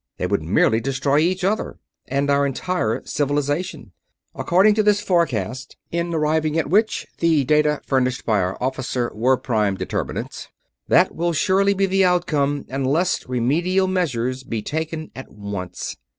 They would merely destroy each other and our entire Civilization. According to this forecast, in arriving at which the data furnished by our Officer were prime determinants, that will surely be the outcome unless remedial measures be taken at once.